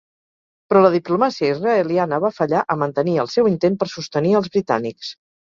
Però la diplomàcia israeliana va fallar a mantenir el seu intent per sostenir als britànics.